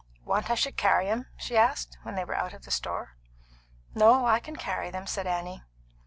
"Want I should carry 'em?" she asked, when they were out of the store. "No, I can carry them," said Annie.